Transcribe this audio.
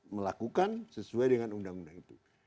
melakukan sesuai dengan undang undang itu